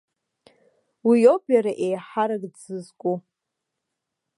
Уиоуп иара еиҳарак дзызку.